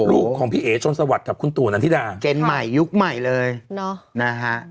ลูกของพี่เอ๋ชนสวัสดิ์กับคุณตู่นันทิดาเกณฑ์ใหม่ยุคใหม่เลยเนาะนะฮะ